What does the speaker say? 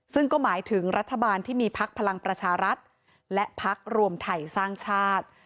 ซึ่งก็หมายถึงรัฐบาลที่มีพักพลังประชารัฐและพักรวมไทยสร้างชาติ